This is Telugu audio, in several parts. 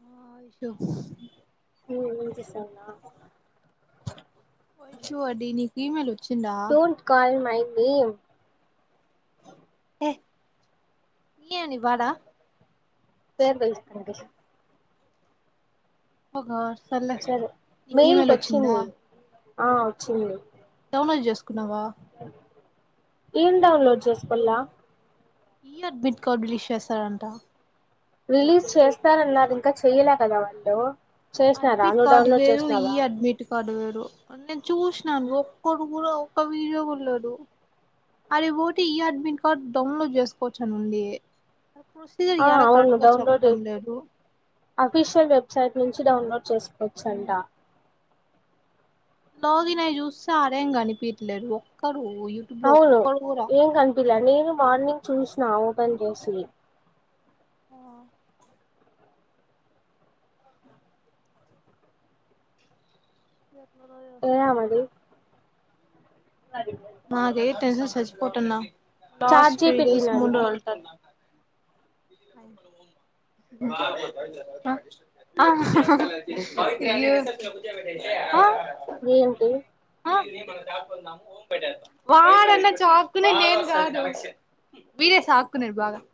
హా చెప్ ఉ ఉ వినిపిస్తందా వై షు అడ్డి ఈమెయిల్ ఒచ్చిందా బి య మ్ ఏ నీ బడా పేరు తెలుసుకో పిషు ఒక [unintelligible] సర్లే సరే నీక్ మెయిల్ కి ఈమెయిల్ వచ్చిందా వచ్చింది ఆ వచ్చింది డౌన్ లోడ్ చేకువా ఏం డౌన్లోడ్ చేసుకోలా ఈ అడ్మిట్ కార్డు రీలీష్ చేస్తారంట రిలీజ్ చేస్తనన్నారు ఇంకా చెయ్యలే కదా వాళ్ళు చేసినారా అడ్మిట్ నువ్వు కార్డు డౌన్లోడ్ వేరు ఈ చేసినావా అడ్మిట్ కార్డు వేరు అనిన్ చూసినాన్ ఒక్కరు కూడా ఒక్క వీడియో కూడా లేదు అది పోటి ఈ అడ్మిట్ కార్డు డౌన్ లోడ్ చేసుకోచ్చానీ అని ఉంది ప్రొసీజర్ ఆ యాడ అవును కరెక్ట్ గా డౌన్ లోడు చెప్పడం లేదు అఫీషియల్ వెబ్సైట్ నుంచి డౌన్లోడ్ చేసుకోచ్చంటా లాగిన్ అయి చూస్తే ఆడేమ్ కనిపియట్లే ఒక్కరు అవును ఏం కనిపిలే ఏం నేను మార్నింగ్ చూసిన ఓపెన్ జేసి ఆ ఎందులో ఏసుకోలో ఏమో అలా నాక టెన్షన్ సచ్చిపోటన్నా లాస్ట్ చాట్ త్రీ జీపీటీని డేస్ ముందు అడిగా వెళ్త త ఆ అయ్యో ఏంటి వాళ చేను వీడే సాకునర్ బాగా [unintelligible]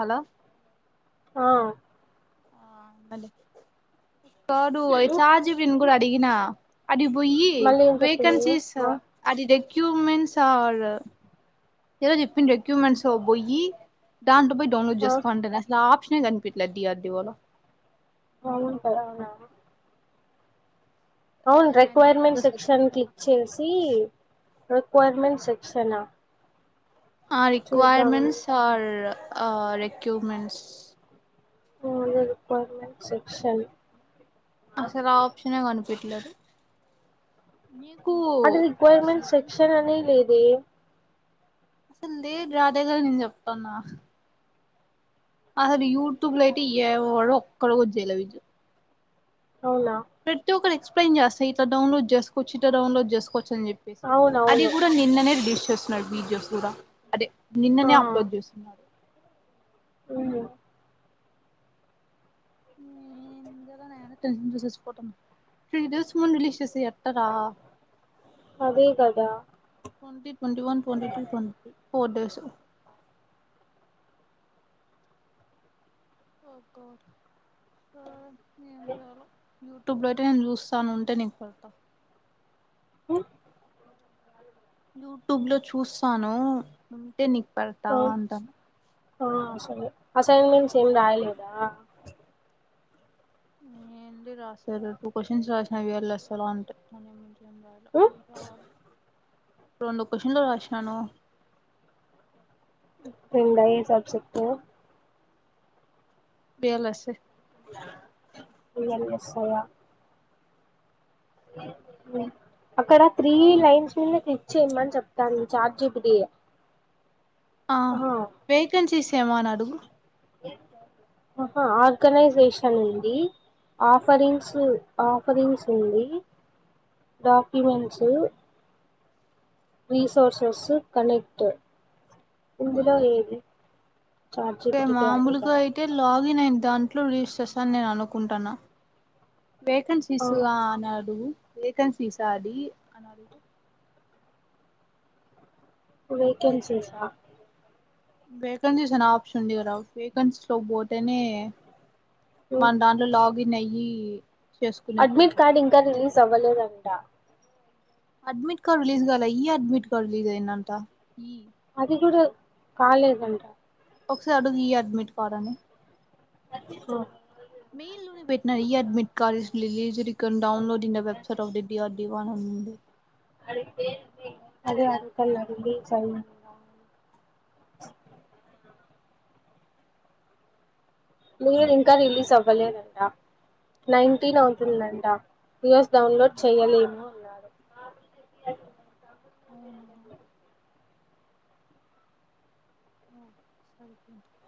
హలో ఆ ఆ మంట కడు ఉ చాజీవి కూడాడా అడిగనా అది పొయ్యి మళ్ళీ ఏం చెప్పింది వేకన్సీస్ ఆ అది ద ఎ్యూమెంట్స్ ఆరు ఏదో జప్పెక్యూమెంట్స్ పోయి దాన్ పోయి డౌన్లోడ్ ఆ చేసుకో అంటది అసలు యాప్ కష్ని గనిపిట్ల దయాదివాాల [unintelligible] అవుంట అవునా అవును రిక్వైర్మెంట్ సెక్షన్ క్లిక్ చేసి రిక్వైర్మెంట్స్ సెక్షన ఆ రక్వైర్మెంట్స్ ఆ ఆ రిక్యూమెంట్స్ ఓ రిక్వైర్మెంట్ సెక్షన్ అసలు ఆ ఆప్షనే కాను ఇట్లనె అంటే రిక్వైర్మెంట్ సెక్షన్ అనే లేదే అసలులేదు రా అదే గద నేను చెప్తన్న అసలు యూట్యూబ్ లో అయితే ఏ వడు ఒక్కడు కూడా చ్చయలే విజు అవున ప్రతి ఒక్కరు ఎక్స్ప్లెన్ చేస్త ఇట డౌన్లోడ్ చేస్కోవచ్చు ఇ ట డౌన్లోడ్ చేస్కోవచ్చు అని చెప్పేసి అది అవునవును కూడా నిన్ననే దష్ చెస్ ప్రాక్టీస్ చెస్ కూడా అదే నిన్ననే అప్లోడ్ చేస్తున్నా ఉ హ్మ్మ్ త్రీ డేస్ ముందు రిలీజ్ చేస్తే ఎట్టారా అదే కదా కొడిప్ [unintelligible] twenty one twenty two twenty photos ఓపిక వా ఎం జేయాలో యూట్యూబ్ లో అయితే నేను చూస్తాను ఉంటే నీకు పేడత మ్మ్ యూట్యూబ్ లో చూస్తాను ఉంటే నికు పేడతా ఆ అంట ఆ సరే అసైన్మెంట్స్ ఏం రాయలేదా ఏంది రాసేది టూ క్వశ్చన్స్ రాసిన వదిలేసాను అంటే కానీ రాయలే మ్మ్ రాయాలి రెండు కొశన్లు రాసినాను రెండై సబ్జెక్టు బియలక్సే ఇయల రాస్సావ ఏంది [unintelligible] అక్కడ త్రీ ఇంకా లైన్స్ మీన క్లిక్ చేయ్యమని చెప్ దాని చార్ట్ జి పి టి ఆ వేకన్సీస్ లేమా అడుగు ఆహ ఆర్గనైజేషన్ ఉంది ఆఫరింగ్స్ ఆఫరింగ్స్ ఉంది డాక్యుమెంట్స్ రిసోర్సెస్ కనెక్ట్ ఇందులో ఏది చాట్ తే జీపీటీకే మాములుగా అడుగుదాం అయితే లాగ్ గిన్ అయ్యింది దాంట్లో రీస్ చేస్తా అని నేను అనుకుంటన్న వేకన్సీస్ ఆ అని అడుగు వేకన్సీస్ ఆ అది వేకెన్సీస్ ఆ వేకన్సీస్ అన ఆప్షన్ ఉంది కదా వేకన్సీ లో పోతేనే ఉమ్. మన దన్లో లాగిన్ అయ్యి అడ్మిట్ చేసుకునేకుంటది కార్డ్ ఇంకా రిలీజ్ అవ్వలేదంట అడ్మిట్ కార్డు రిలీజ్ కాలే ఈ అడ్మిట్ కార్డు రిలీజ్ అయిందట అది కూడా కాలేజంట ఒకసారి అడుగు ఈ అడ్మిట్ కార్డ్ అని ఆ, మెయిల్ లోనే పెట్నా ఈ అడ్మిట్ కాలజ్ లీజు రీ ఇ ౌన్లోడ్డి ద వ వెబ్సైట్వుడి అ పోనంది అదే అడుగుతలే రిలీజ్ అయ్యిందా [unintelligible] మీర్ ఇంకా రిలీజ్ అవ్వలేనంట. నైన్టీన్ అవుతుందంట, యూఎస్ డౌన్లోడ్ చేయలేము అన్నారూ. అవునా ఉమ్.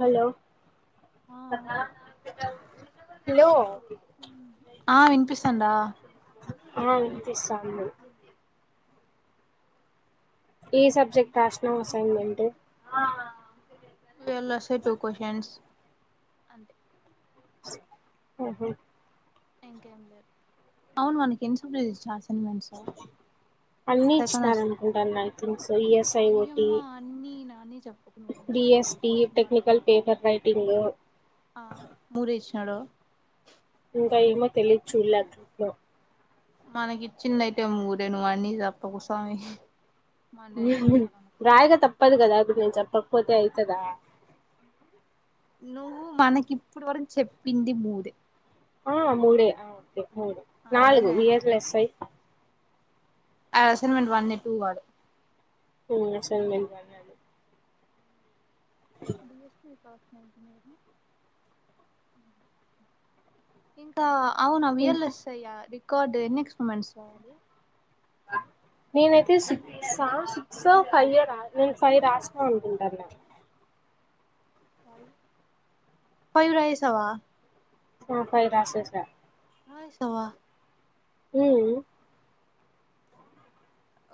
హలో ఆ హలో. ఆ ఆ వినిపిస్తాందా ఆ వినిపిస్తాన్ది. ఏ సబ్జెక్ట్ రాశినవ్ స్. సంగంటే. [unintelligible] అస్తాయి టూ క్వశ్చన్స్. ఉహుమ్. అవును వానికి. [unintelligible] అన్ని ఇచ్చినారు అనుకుంటాను I think so ESIOT DST technical paper writing [unintelligible] హడో. ఇంకా ఏమో తెలిద్ చూడ్లా గ్రూప్ లో. మనక్ ఇచ్చిన్దైతే మూదే, నువ్ అన్నీ జేప్పకుస్వామి. రాయాగ తప్పదు గదా, ఇప్పుడ్ నేన్ చప్పపోతే. [unintelligible] కదా. నువ్వు, మనకిప్పుడ్ వరక్ చెప్పింది మూదే. ఆ మూడేే ఆ. [unintelligible] మూడు, అదే నాలుగు నేను వి [unintelligible] ఎస్ ఐ. అద్ అసైన్మెంట్ వన్నె, టూ కాదు. ఉమ్ అసైన్మెంట్ రాయాలి. D S C pass. ఇంకా. అవునా వి ఎల్ ఇంకా ఎస్ ఐ ఆ అది. కార్డే నెక్స్ట్ మంత్స్. నేనైతే సిక్సా, సిక్సో, ఫైఓ రా నేన్ ఫైవ్ రాసిన అనుకుంట్టన్న. ఫైవ్ రాయేసవా. ఆ ఫైవ్ రాసేసా. రాయేసవా. హుమ్మ్.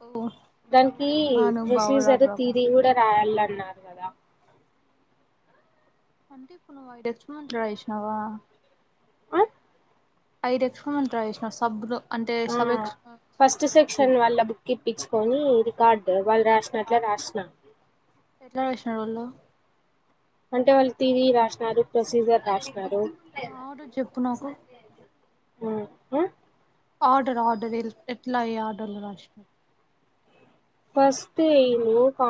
ఓ ఓ దానికి ప్రొసీజర్, మహానుభావురాలివమ్మా థియరి కూడా రాయాలట్. అన్నార్ గదా. అంటే ఇప్పుడు నువ్. [inaudible] అ. ఐ [unintelligible] సబ్బు తో. ఆ ఫస్ట్ కలిపి సెక్షన్ వాళ్ల, బుక్ ఇప్పించుకొని ఇది. కార్డు, వాళ్ళు రాసినట్లే రాసిన. ఎట్లా రాషినర్ వాళ్ళు. అంటే వాళ్ళు తిరిగి రాషినారు, ప్రొసీజర్ రాష్నా. రారు. ఆర్డర్ చెప్పు నాకు ఆర్డర్, ఆర్డర్ ఎట్లా ఏ ఆర్డర్లో రాషినవ్. ఫస్ట్ ఈ ను కా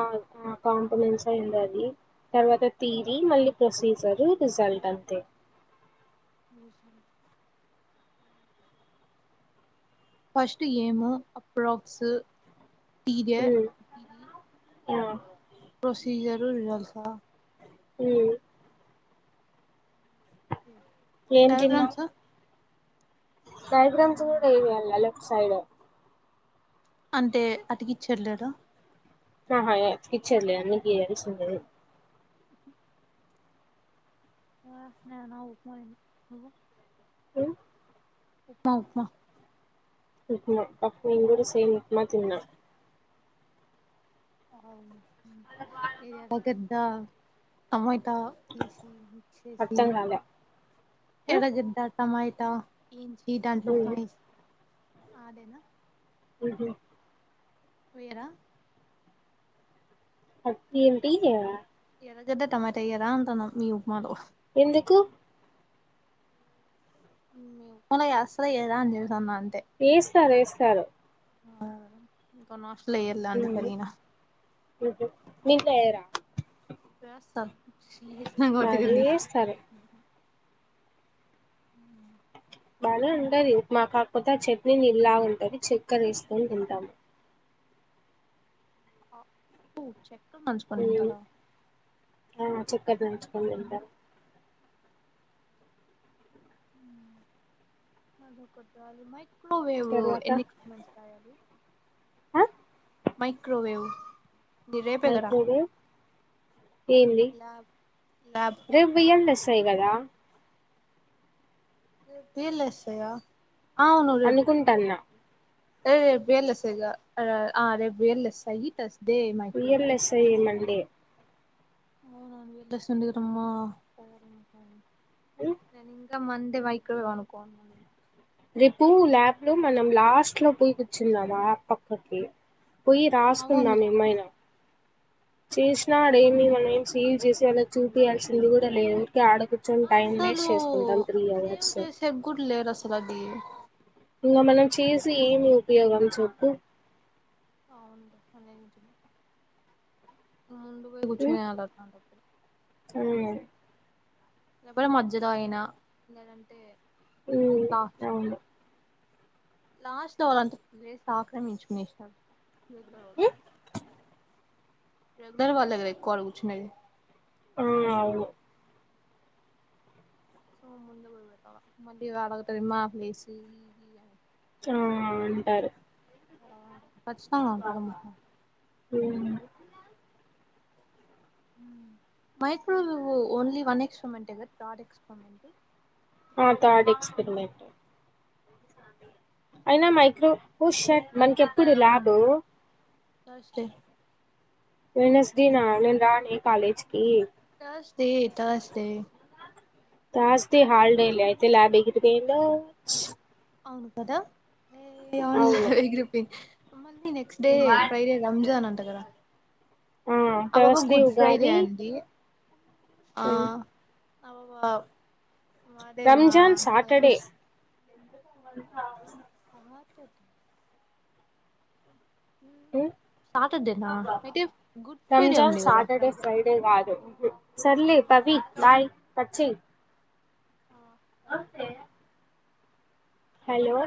కాంపనెంస్ అయింది అది తర్వాత తీరి మళ్ళీ ప్రొసీజరు రిజల్ట్ అంతే రిజల్ట్ ఫస్ట్ ఏమో అప్రాక్స్ పీరియ యా ప్రొసిజరు రిజల్ట్సా హ్ డయాగ్రామ్సా డైయాగ్రామ్స్ గుడా ఎయ్యాల్నా లేక్ సైడ్ అంటే అతికిచ్చట్లేరా అహ అతికిచ్చేది లేదు అన్ని గీయాల్సినయి ఆ నేనా ఉప్మా తిన్ నువ్వు [unintelligible] ఉప్మా ఉప్మా ఉప్మా ఫస్ట్ నేన్ గుడ సేమ్ ఉప్మా తిన్న ఏది అరగద్దా తమ త ఉప్పేసి మిక్స్ చేసి అర్థం కాలే ఆ ఎర్రగడ్డ టమైటా ఏం జె ఈ దాంట్లో ఉమ్ ఉప్మా చే ఆదే నా మ్ హ్ వేరా అట్ ఏంటి ఆ ఎర్రగద్ద టమాటా ఎయ్యరా అంటాంన్న మీ ఉప్మాలో ఎందుకు ఉప్మా అసలే [unintelligible] నంతే స్తారు ఏస్తారు. ఆ ఇంకా నాష్ మీ ఇంట్ల చేయరా చేస్తరు అది మ్ ఏస్తారు బానే ఉంటది ఉప్మా కాక్ పోతే ఆ చట్నీ నీల్లా ఉంటది చెక్కర ఏస్కొని తింటాము. ఓ చె [unintelligible] తింటారా క్కెర నుంచుకొని తింటాం అదొకట్ చాలు మై క్రోవేవ్ ఎన్ని [unintelligible] హ మైక్రోవేవ్ ఇది రేపే కదా మైక్రోడేవ్ ఎంది ల్యాబ్ ల్యాబ్ రేప్ బిల్ఎస్ పె కదా రేప్ బిల్ఎస్ సయ్య అనుకుంటాన్న ఏ రేప్ బేల్స్ ఏగా ఆ రేప్ బేల్స్ అయ్యి తస్ బిల్స్ ఏ మళ్ ళ్ళి అవునా వీల్లెసేండేరమ్మ ఉమ్ హు త మంది మైక్రొవెవ్ అనుకుం రేపు ల్యాబ్ లో మనం లాస్ట్ లో పోయి కూర్చుందామా పక్కకి పోయి అవును రాసుకుందాం ఏమైన అవును చెసినాడివినింగ్ అనెస్ సేవ్ చేసి అలా చూపయాల్సింది కూడా లేవు యడో కూర్చొని టైం అసలు వేస్ట్ చేసుకుంటాం త్రీ సేవ్ అవర్స్ చేసేకి కూడా లేరు అసలు అది ఇంకా మనం చేసి ఏమి ఉపయోగం చెప్పు అవును నిం వ్వు ముందు పోయి కూర్చొనేయాలి అట్లాంటప్పుడు హు లేకపోతే మధ్యలో అయినా లేదంటే ఉమ్ లాస్ట్ అవును లాస్ట్ లో వాళ్లంతా ప్లేస్ ఆక్రమించేసుకునేసినారు [inaudible] ఉమ్, ప్రెగ్నెంట్ వల్లే కదా ఎక్కువ ఆడ కూర్చునేది ఆ అవును మళ్ళీ అడుగుతాది మా ప్లేస్ ఆ అంటారు ఆ కచ్చితంగా అంటదమ్మా హ microwave only one experiment third experiment ఆ థర్డ్ ఎక్స్పెరిమెంట్ అయినా మైక్రో ఓ షట్ మనకేప్పుడు lab Thursday Wednesday నా నేను రానే కాలేజీకి Thursday Thursday Thursday holiday లే ఎగిరిపోయింది దోచ్. అవును కదా హే అవును ఎగిరిపోయింది. మళ్లీ నెక్స్ట్ డే ఫ్రైడే రంజాన్ అంట కదా. ఆ అబ్బబ్బ థర్స్డే గుడ్ ఫ్రైడే ఉగాది అండి ఆ ఉమ్, అవు అవు రంజాన్ శాటర్డే హార్ట్ ఎటాక్ సాటర్డేనా అయితే గుడ్ ఫ్రైడే రంజాన్ ఉంది కదా సాటర్డే ఫ్రైడే కాదు సర్లే పవి బాయ్ కట్ చెయ్ ఆ సరే హలో